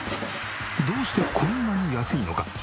どうしてこんなに安いのか？